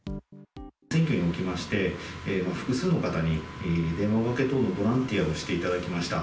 選挙におきまして、複数の方に、電話受け等のボランティアをしていただきました。